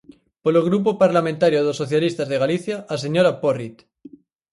Polo Grupo Parlamentario dos Socialistas de Galicia, a señora Porrit.